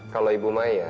kalau ibu maya